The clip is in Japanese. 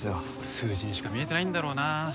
数字にしか見えてないんだろうなは